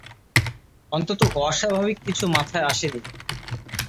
অন্তত অস্বাভাবিক কিছু মাথায় আসেনি।